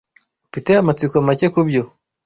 Mfite amatsiko make kubyo.